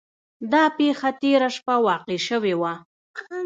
دا پیښه تیره شپه واقع شوې وه.